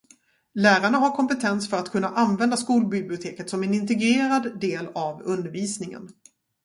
Lärarna har kompetens för att kunna använda skolbiblioteket som en integrerad del av undervisningen.